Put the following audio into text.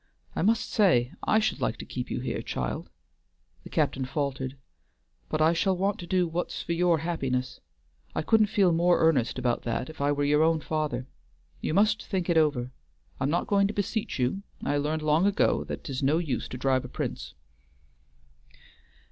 I must say I should like to keep you here, child," the captain faltered, "but I shall want to do what's for your happiness. I couldn't feel more earnest about that if I were your own father. You must think it over. I'm not going to beseech you: I learned long ago that 'tis no use to drive a Prince."